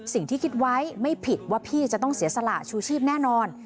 คิดไว้ไม่ผิดว่าพี่จะต้องเสียสละชูชีพแน่นอน